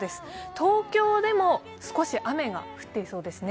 東京でも少し雨が降っていそうですね。